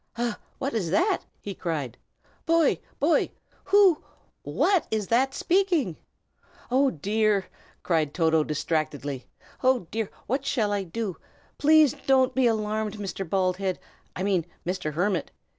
"Ah! what is that?" he cried. "Boy! boy! who what is that speaking?" "Oh, dear!" cried Toto, distractedly. "Oh, dear! what shall I do? Please don't be alarmed, Mr. Baldhead I mean, Mr. Hermit.